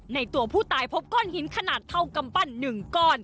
ในตัวผู้ตายพบก้อนหินขนาดเท่ากำปั้น๑ก้อน